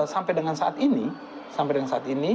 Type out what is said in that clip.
sampai dengan saat ini